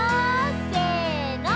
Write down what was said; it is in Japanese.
せの！